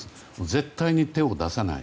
絶対に手を出さない。